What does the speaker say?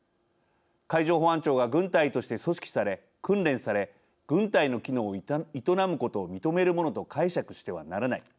「海上保安庁が軍隊として組織され、訓練され軍隊の機能を営むことを認めるものと解釈してはならない」